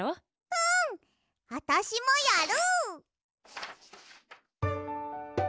うん！あたしもやる！